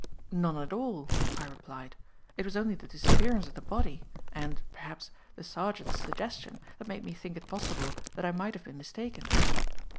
"None at all," I replied, "it was only the disappearance of the body, and, perhaps, the sergeant's suggestion, that made me think it possible that I might have been mistaken."